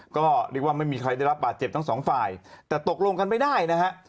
ก็เรียกว่าไม่มีใครได้รับบาดเจ็บทั้งสองฝ่ายแต่ตกลงกันไม่ได้นะฮะ